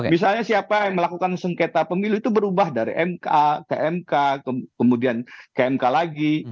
misalnya siapa yang melakukan sengketa pemilu itu berubah dari mk ke mk kemudian ke mk lagi